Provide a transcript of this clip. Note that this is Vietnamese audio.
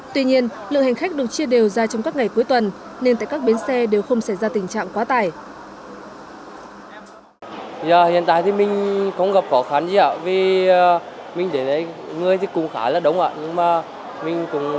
tuy nhiên lượng hành khách được chia đều ra trong các ngày cuối tuần nên tại các bến xe đều không xảy ra tình trạng quá tải